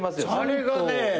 あれがね。